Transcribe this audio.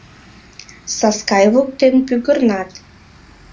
Саскай воктен пӱгырнат.